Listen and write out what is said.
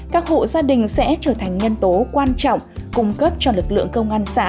các hộ gia đình sẽ trở thành nhân tố quan trọng cung cấp cho lực lượng công an xã